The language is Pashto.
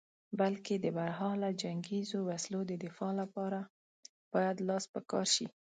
بلکې د برحاله جنګیزو وسلو د دفاع لپاره باید لاس په کار شې.